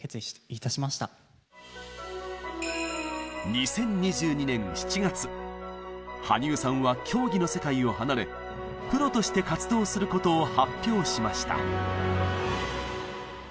２０２２年７月羽生さんは競技の世界を離れプロとして活動することを発表しました。